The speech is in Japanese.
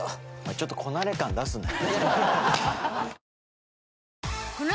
ちょっとこなれ感出すね。